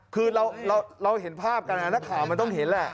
คือเราเห็นภาพกันนักข่าวมันต้องเห็นแหละ